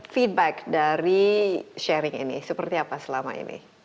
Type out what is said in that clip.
feedback dari sharing ini seperti apa selama ini